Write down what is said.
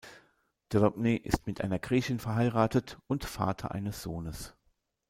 Drobný ist mit einer Griechin verheiratet und Vater eines Sohnes.